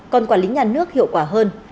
còn quản lý nhà nước hiệu quả hơn